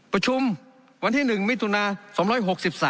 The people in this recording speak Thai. ประชุมวันที่๑มิถุนา๒๖๓